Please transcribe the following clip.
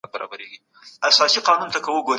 هغه څوک چې مسموم شوی وي، باید یوازې تازه مایعات وڅښي.